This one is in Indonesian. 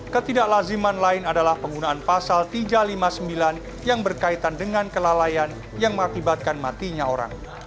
ketidaklaziman lain adalah penggunaan pasal tiga ratus lima puluh sembilan yang berkaitan dengan kelalaian yang mengakibatkan matinya orang